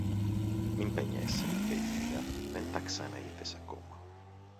Μην παινιέσαι, είπε ήσυχα, δεν τα ξαναείδες ακόμα.